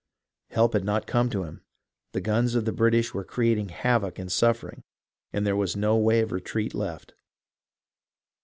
Help had not come to him, the guns of the British were creating havoc and suffering, and there was no way of retreat left.